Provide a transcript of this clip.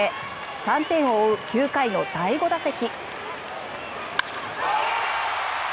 ３点を追う９回の第５打席。